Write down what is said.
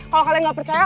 kalo kalian gak percaya